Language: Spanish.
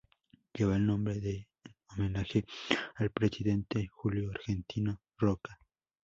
Lleva el nombre en homenaje al Presidente Julio Argentino Roca.